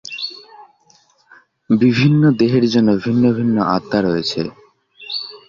বিভিন্ন দেহের জন্য ভিন্ন ভিন্ন আত্মা রয়েছে।